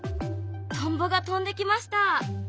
トンボが飛んできました。